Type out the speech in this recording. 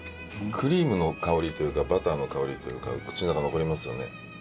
クリームの香りというかバターの香りというか口の中に残りますよね。